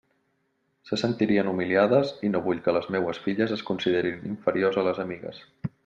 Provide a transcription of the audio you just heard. Se sentirien humiliades, i no vull que les meues filles es consideren inferiors a les amigues.